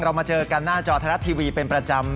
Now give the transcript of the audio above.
มาเจอกันหน้าจอไทยรัฐทีวีเป็นประจำ